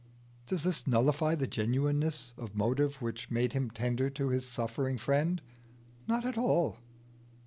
Does this nullify the genuineness of motive which made him tender to his suffering friend? Not at all.